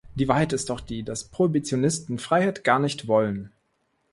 Die Wahrheit ist doch die, dass Prohibitionisten Freiheit gar nicht wollen.